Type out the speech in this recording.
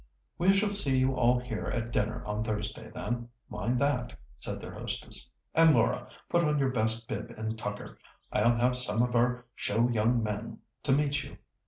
"We shall see you all here at dinner on Thursday, then, mind that!" said their hostess. "And, Laura, put on your best bib and tucker. I'll have some of our show young men to meet you."